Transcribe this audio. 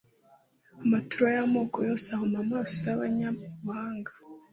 Amaturo y’amoko yose ahuma amaso y’abanyabuhanga,